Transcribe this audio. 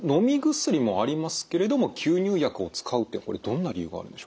薬もありますけれども吸入薬を使うってこれどんな理由があるんでしょう？